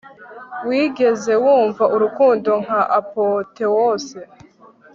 Wigeze wumva urukundo nka apotheose